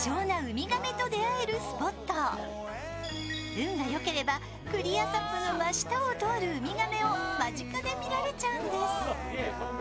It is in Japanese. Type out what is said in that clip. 運がよければ、クリアＳＵＰの真下を通る海亀を間近で見られちゃうんです。